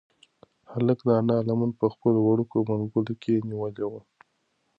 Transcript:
هلک د انا لمن په خپلو وړوکو منگولو کې نیولې وه.